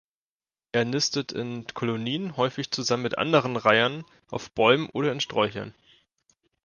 Er nistet in Kolonien, häufig zusammen mit anderen Reihern, auf Bäumen oder in Sträuchern.